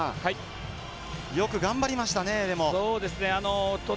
よく頑張りましたね、でも。